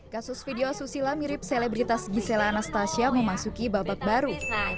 kasus video asusila mirip selebritas gisela anastasia memasuki babak baru